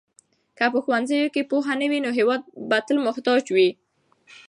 که په ښوونځیو کې پوهه نه وي نو هېواد به تل محتاج وي.